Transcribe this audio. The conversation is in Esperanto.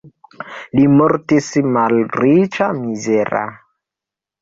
Li mortis malriĉa, mizera.